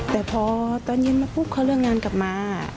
แต่พอตอนเย็นมาปุ๊บเขาเลิกงานกลับมา